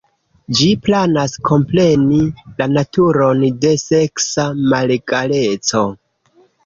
Ĝi planas kompreni la naturon de seksa malegaleco.